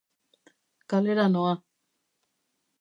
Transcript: Kalera noa.